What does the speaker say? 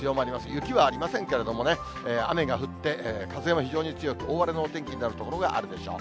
雪はありませんけれども、雨が降って、風も非常に強く、大荒れのお天気になる所があるでしょう。